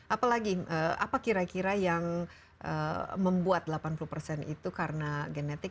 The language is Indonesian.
apalagi apa kira kira yang membuat delapan puluh persen itu karena genetik